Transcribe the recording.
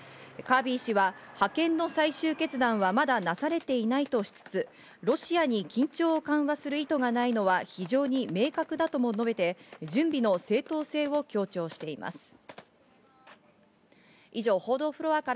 カービー氏は派遣の最終決断はまだなされていないとしつつ、ロシアに緊張を緩和する意図がないのは非常に明確だとも述べて準備の正当性を強調しています。